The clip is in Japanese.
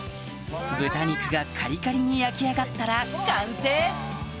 豚肉がカリカリに焼き上がったら完成！